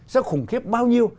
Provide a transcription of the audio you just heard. sẽ khủng khiếp bao nhiêu